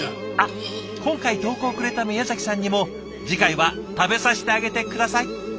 あっ今回投稿くれた宮さんにも次回は食べさせてあげて下さい。